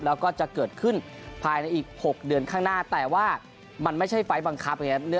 แล้วก็จะเกิดขึ้นภายในอีก๖เดือนข้างหน้าแต่ว่ามันไม่ใช่ไฟล์บังคับไงครับ